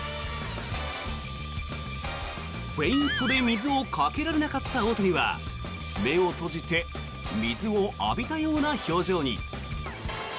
フェイントで水をかけられなかった大谷は目を閉じて水を浴びたような表情に。